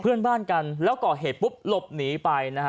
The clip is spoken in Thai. เพื่อนบ้านกันแล้วก่อเหตุปุ๊บหลบหนีไปนะฮะ